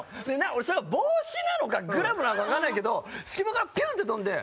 俺それが帽子なのかグラブなのかわからないけど隙間からピューンって飛んで。